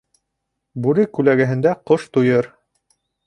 Бүре күләгәһендә ҡош туйыр.